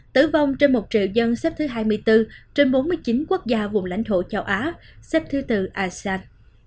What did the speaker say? tử vong trên một triệu dân xếp thứ hai mươi bốn trên bốn mươi chín quốc gia vùng lãnh thổ châu á xếp thứ tư asean